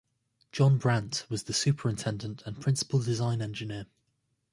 John Brandt was the superintendent and principal design engineer.